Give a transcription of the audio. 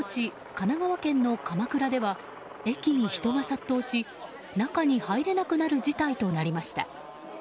神奈川県の鎌倉では駅に人が殺到し中に入れなくなる事態となりました。